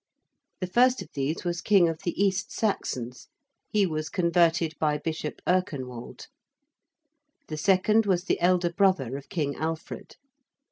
The first of these was King of the East Saxons. He was converted by Bishop Erkenwald. The second was the elder brother of King Alfred.